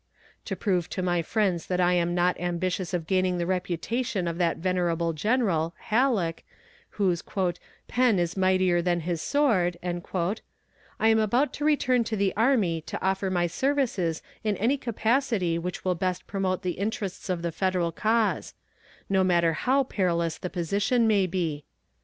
To prove to my friends that I am not ambitious of gaining the reputation of that venerable general (Halleck) whose "pen is mightier than his sword," I am about to return to the army to offer my services in any capacity which will best promote the interests of the Federal cause no matter how perilous the position may be.